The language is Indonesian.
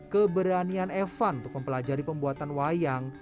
keberanian evan untuk mempelajari pembuatan wayang